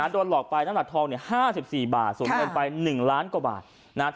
โดนหลอกไปน้ำหนักทอง๕๔บาทสูญเงินไป๑ล้านกว่าบาทนะครับ